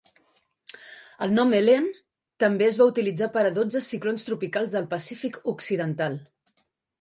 El nom Ellen també es va utilitzar per a dotze ciclons tropicals del Pacífic Occidental.